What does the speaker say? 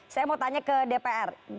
saya mau tanya ke dpr